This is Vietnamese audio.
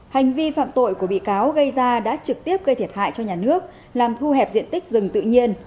hành vi phạm tội của bị cáo gây ra đã trực tiếp gây thiệt hại cho nhà nước làm thu hẹp diện tích rừng tự nhiên